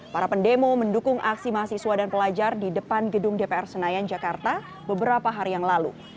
para pendemo mendukung aksi mahasiswa dan pelajar di depan gedung dpr senayan jakarta beberapa hari yang lalu